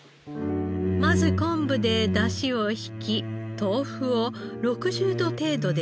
まず昆布で出汁を引き豆腐を６０度程度で温めます。